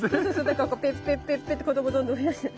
だからペッペッペッペ！って子どもどんどん増やして。